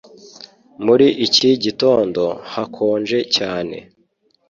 Muri iki gitondo hakonje cyane